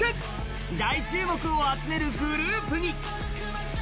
大注目を集めるグループに。